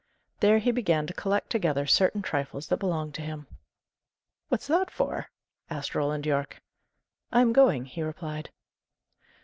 There he began to collect together certain trifles that belonged to him. "What's that for?" asked Roland Yorke. "I am going," he replied.